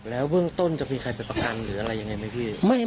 แล้วเบื้องต้นจะมีใครไปประกันหรืออะไรยังไงไหมพี่